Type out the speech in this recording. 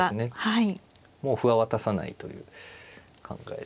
もう歩は渡さないという考えで。